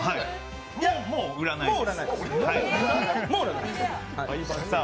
もう売らないです。